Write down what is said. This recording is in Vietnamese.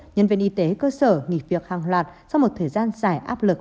nhân viên y tế cơ sở nghỉ việc hàng loạt sau một thời gian dài áp lực